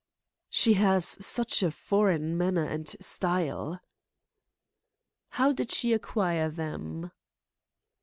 "She has such a foreign manner and style." "How did she acquire them?"